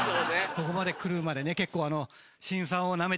ここまで来るまでね結構。